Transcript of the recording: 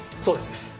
そうです。